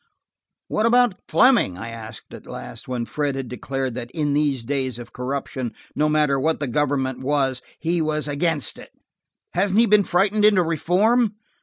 "What about Fleming?" I asked at last, when Fred had declared that in these days of corruption, no matter what the government was, be was "forninst" it. "Hasn't he been frightened into reform?"